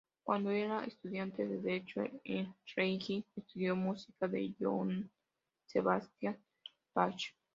Cuando era estudiante de Derecho en Leipzig, estudió música con Johann Sebastian Bach.